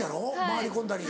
回り込んだり。